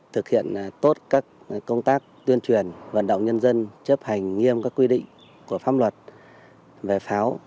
thực hiện tốt các công tác tuyên truyền vận động nhân dân chấp hành nghiêm các quy định của pháp luật về pháo